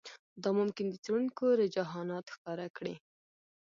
دا ممکن د څېړونکو رجحانات ښکاره کړي